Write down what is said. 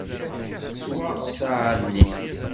Tettwaɣ ssaεa-nni.